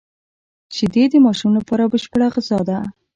شیدې د ماشوم لپاره بشپړه غذا ده